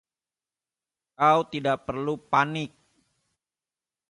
Kau tidak perlu panik.